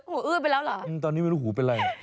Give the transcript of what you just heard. อื้อไปแล้วเหรอตอนนี้ไม่รู้หูเป็นอะไร